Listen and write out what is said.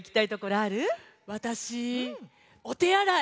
わたしおてあらい！